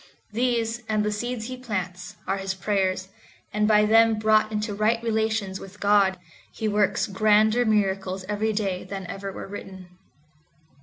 These, and the seeds he plants, are his prayers, and by them brought into right relations with God, he works grander miracles every day than ever were written.